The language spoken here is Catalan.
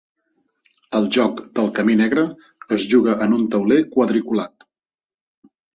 El joc del Camí Negre es juga en un tauler quadriculat.